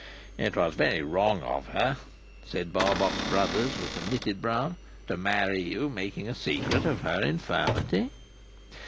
"It was very wrong of her," said Barbox Brothers, with a knitted brow, "to marry you, making a secret of her infirmity."